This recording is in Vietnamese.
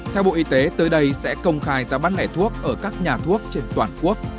theo bộ y tế tới đây sẽ công khai giá bán lẻ thuốc ở các nhà thuốc trên toàn quốc